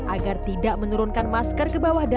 agar tidak menurunkan masker kebawah